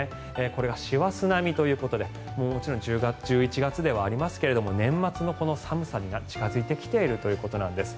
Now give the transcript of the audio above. これが師走並みということでもちろん１１月ではありますが年末のこの寒さが近付いてきているということなんです。